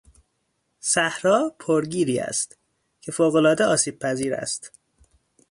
صحرا پرگیری است که فوقالعاده آسیبپذیر است.